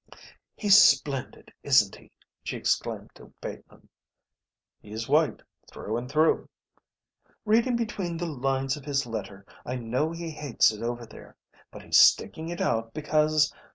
"He's splendid, isn't he?" she exclaimed to Bateman. "He's white, through and through." "Reading between the lines of his letter I know he hates it over there, but he's sticking it out because...."